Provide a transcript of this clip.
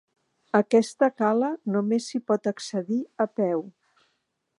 Aquesta cala només s'hi pot accedir a peu.